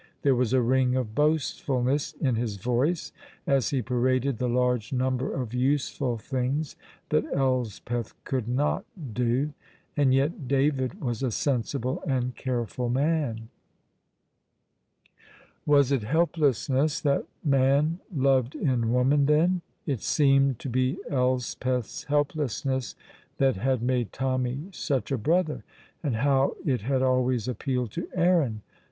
There was a ring of boastfulness in his voice as he paraded the large number of useful things that Elspeth could not do. And yet David was a sensible and careful man. Was it helplessness that man loved in woman, then? It seemed to be Elspeth's helplessness that had made Tommy such a brother, and how it had always appealed to Aaron!